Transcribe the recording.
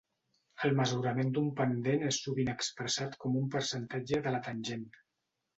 El mesurament d'un pendent és sovint expressat com un percentatge de la tangent.